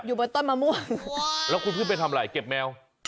บนต้นมะม่วงแล้วคุณขึ้นไปทำอะไรเก็บแมว